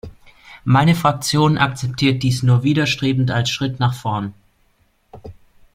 Meine Fraktion akzeptiert dies nur widerstrebend als Schritt nach vorn.